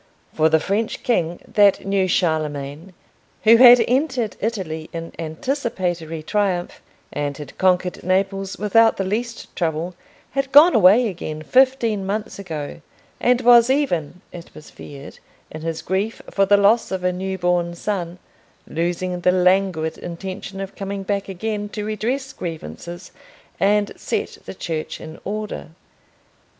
For the French king, that new Charlemagne, who had entered Italy in anticipatory triumph, and had conquered Naples without the least trouble, had gone away again fifteen months ago, and was even, it was feared, in his grief for the loss of a new born son, losing the languid intention of coming back again to redress grievances and set the Church in order.